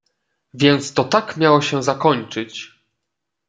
"więc to tak miało się zakończyć!"